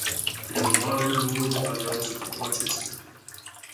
Prin urmare, nu voi detalia rezultatele acestuia.